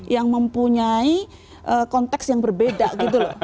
yang mempunyai konteks yang berbeda gitu loh